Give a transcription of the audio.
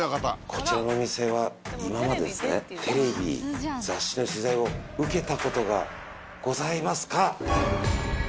こちらのお店は今までですねテレビ・雑誌の取材を受けた事がございますか？